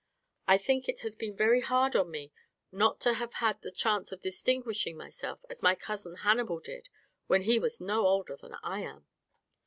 I think it has been very hard on me not to have had a chance of distinguishing myself as my cousin Hannibal did when he was no older than I am."